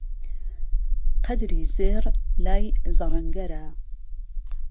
قهدری زێڕ لا ی زهڕهنگهره